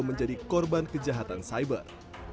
menjadi korban kejahatan cyber